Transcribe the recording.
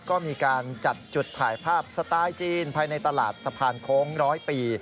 ก็มีการจัดจุดถ่ายภาพสไตล์จีนภายในตลาดสะพานโค้งร้อยปี